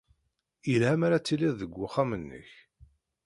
Yelha mi ara tiliḍ deg wexxam-nnek.